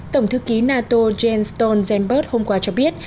tổng thư ký nato jens stolzenberg hôm qua cho biết